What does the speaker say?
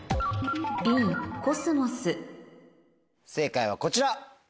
正解はこちら！